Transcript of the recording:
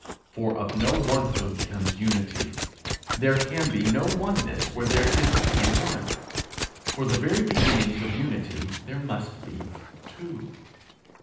For of no onehood comes unity; there can be no oneness where there is only one. For the very beginnings of unity there must be two.